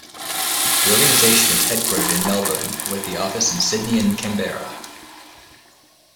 The organisation is headquartered in Melbourne with offices in Sydney and Canberra.